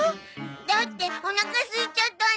だっておなかすいちゃったんだもん。